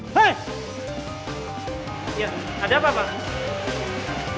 iya ada apa pak